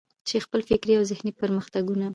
چې خپل فکري او ذهني پرمختګونه.